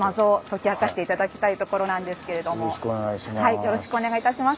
よろしくお願いします。